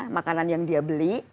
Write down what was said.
makanan yang dia beli